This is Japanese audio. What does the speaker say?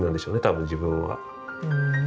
多分自分は。